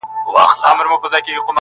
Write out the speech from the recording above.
ساقي زده له صراحي مي د زړه رازکی,